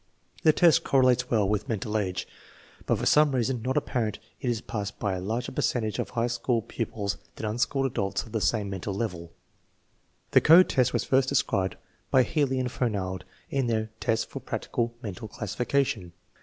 The test correlates well with mental age, but for some reason not apparent it is passed by a larger percentage of high school pupils than unschooled adults of the same mental level, The code test was first described by Healy and Fernald in their "Tests for Practical Mental Classification."